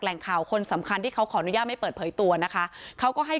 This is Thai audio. แหล่งข่าวคนสำคัญที่เขาขออนุญาตไม่เปิดเผยตัวนะคะเขาก็ให้